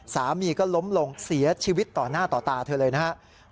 สามีก็ล้มลงเสียชีวิตต่อหน้าต่อตาเธอเลยนะครับ